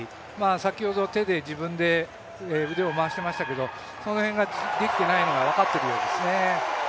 先ほど手で自分で腕を回していましたけどその辺ができていないのが分かっているようですね。